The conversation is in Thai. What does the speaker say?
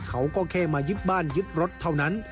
เขาก็แค่มายึดบ้านยึดรถเท่านั้น